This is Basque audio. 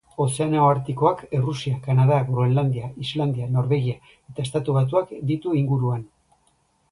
Ozeano Artikoak Errusia, Kanada, Groenlandia, Islandia, Norvegia eta Estatu Batuak ditu inguruan.